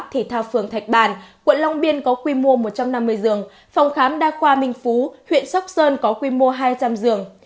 thể thao phường thạch bàn quận long biên có quy mô một trăm năm mươi giường phòng khám đa khoa minh phú huyện sóc sơn có quy mô hai trăm linh giường